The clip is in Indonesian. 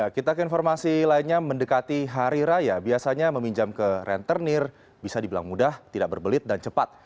kita ke informasi lainnya mendekati hari raya biasanya meminjam ke rentenir bisa dibilang mudah tidak berbelit dan cepat